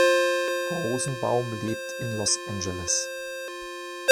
Rosenbaum lebt in Los Angeles.